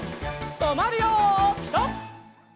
とまるよピタ！